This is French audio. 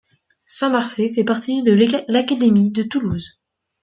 Saint-Marcet fait partie de l'académie de Toulouse.